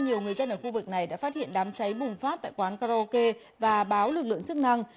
nhiều người dân ở khu vực này đã phát hiện đám cháy bùng phát tại quán karaoke và báo lực lượng chức năng